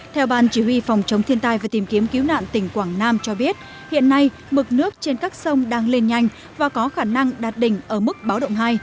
theo ban chỉ huy phòng chống thiên tai và tìm kiếm cứu nạn tỉnh quảng nam cho biết hiện nay mực nước trên các sông đang lên nhanh và có khả năng đạt đỉnh ở mức báo động hai